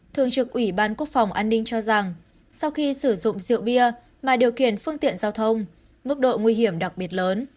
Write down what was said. thường trực ủy ban quốc phòng an ninh cho rằng sau khi sử dụng rượu bia mà điều khiển phương tiện giao thông mức độ nguy hiểm đặc biệt lớn